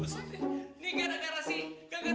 shi kehana dia juga